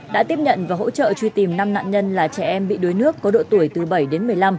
đã tiếp nhận và hỗ trợ truy tìm năm nạn nhân là trẻ em bị đuối nước có độ tuổi từ bảy đến một mươi năm